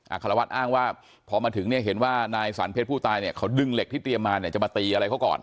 คารวัตรอ้างว่าพอมาถึงเนี่ยเห็นว่านายสรรเพชรผู้ตายเนี่ยเขาดึงเหล็กที่เตรียมมาเนี่ยจะมาตีอะไรเขาก่อน